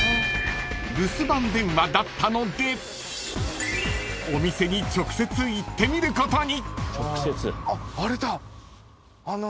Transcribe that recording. ［留守番電話だったのでお店に直接行ってみることに］